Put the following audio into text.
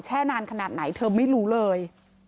นานขนาดไหนเธอไม่รู้เลย